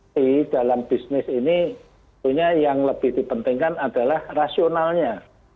tapi dalam bisnis ini punya yang lebih dipentingkan adalah rasionalnya